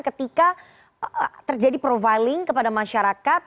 ketika terjadi profiling kepada masyarakat